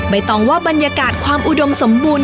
ตองว่าบรรยากาศความอุดมสมบูรณ